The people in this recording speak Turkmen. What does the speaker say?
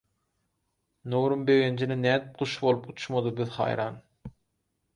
Nurum begenjine nädip guş bolup uçmady biz haýran.